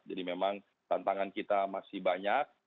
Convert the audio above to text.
jadi memang tantangan kita masih banyak